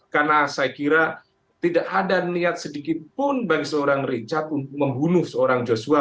karena saya kira tidak ada niat sedikitpun bagi seorang richard untuk membunuh seorang joshua